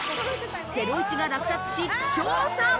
『ゼロイチ』が落札し調査。